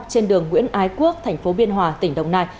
trên đường nguyễn ái quốc tp biên hòa tỉnh đồng nai